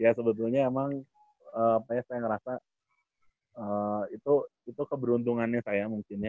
ya sebetulnya emang apa ya saya ngerasa itu keberuntungannya saya mungkin ya